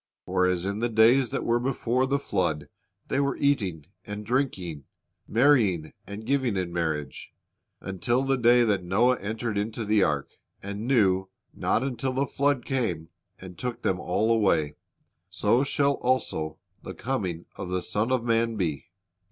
For as in the days that were before the flood they were eating and drinking, marrying and giving in marriage, until the day that Noah entered into the ark, and knew not until the flood came, and took them all away; so shall also the coming of the Son of man be."